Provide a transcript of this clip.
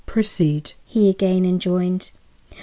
"Proceed," he again enjoined.